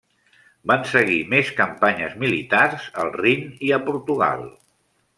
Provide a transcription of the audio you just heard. Van seguir més campanyes militars al Rin i a Portugal.